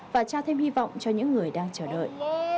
và trao thêm hy vọng cho những người đang chờ đợi